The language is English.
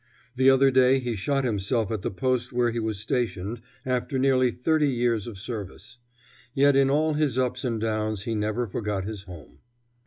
The other day he shot himself at the post where he was stationed, after nearly thirty years of service. Yet in all his ups and downs he never forgot his home.